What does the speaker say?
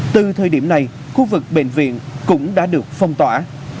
từ thời điểm này khu vực bệnh viện cũng đã được phong tỏa